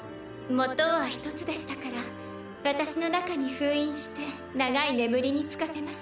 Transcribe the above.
元は一つでしたから私の中に封印して長い眠りにつかせます。